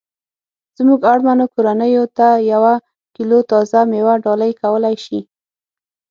زمونږ اړمنو کورنیوو ته یوه کیلو تازه میوه ډالۍ کولای شي